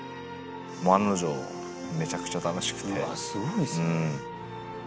案の定、めちゃくちゃ楽しくすごいですね。